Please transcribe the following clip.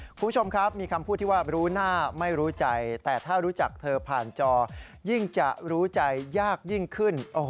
คุณผู้ชมครับมีคำพูดที่ว่ารู้หน้าไม่รู้ใจแต่ถ้ารู้จักเธอผ่านจอยิ่งจะรู้ใจยากยิ่งขึ้น